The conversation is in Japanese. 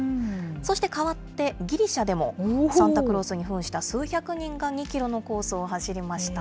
そして、変わって、ギリシャでもサンタクロースにふんした数百人が、２キロのコースを走りました。